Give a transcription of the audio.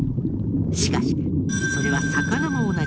しかしそれは魚も同じ事。